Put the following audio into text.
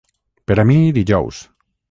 Per a mi, dijous